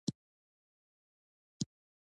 ازادي راډیو د اقتصاد په اړه نړیوالې اړیکې تشریح کړي.